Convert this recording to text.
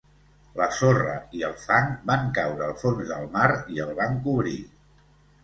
La sorra i el fang van caure al fons del mar i el van cobrir.